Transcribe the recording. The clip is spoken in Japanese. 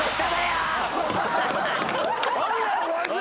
なんだよこいつ！